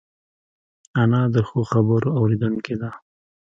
انا د ښو خبرو اورېدونکې ده